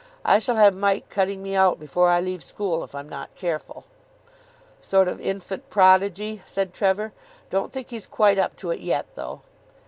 I shall have Mike cutting me out before I leave school if I'm not careful." "Sort of infant prodigy," said Trevor. "Don't think he's quite up to it yet, though."